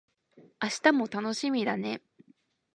明日も楽しみだね